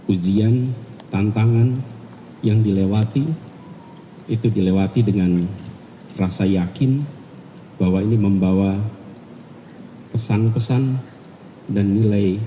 ujian tantangan yang dilewati itu dilewati dengan rasa yakin bahwa ini membawa pesan pesan dan nilai